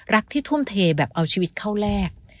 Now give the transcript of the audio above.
ที่ทุ่มเทแบบเอาชีวิตเข้าแลก